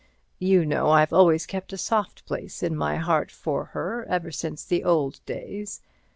You know, I've always kept a soft place in my heart for her, ever since the old days.